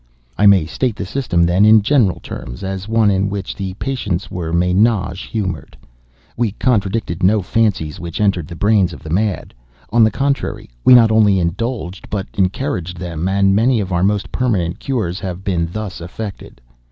"I may state the system, then, in general terms, as one in which the patients were menagés—humored. We contradicted no fancies which entered the brains of the mad. On the contrary, we not only indulged but encouraged them; and many of our most permanent cures have been thus effected.